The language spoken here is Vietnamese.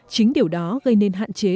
chính điều đó gây nên hạn chế